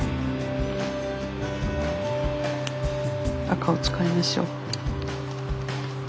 赤を使いましょう。